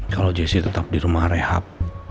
kalau jessi tetap di rumah rehab